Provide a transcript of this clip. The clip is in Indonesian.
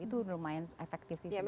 itu lumayan efektif sih sebenarnya